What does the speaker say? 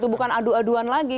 bukan adu aduan lagi